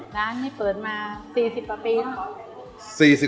ร้านนี้เปิดมา๔๐กว่าปีแล้ว